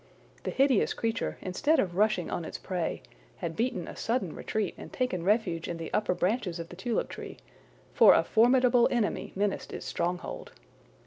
The hideous creature, instead of rushing on its prey, had beaten a sudden retreat and taken refuge in the upper branches of the tulip tree, for a formidable enemy menaced its stronghold.